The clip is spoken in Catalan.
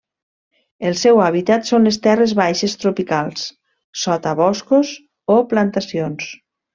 El seu hàbitat són les terres baixes tropicals, sota boscos o plantacions.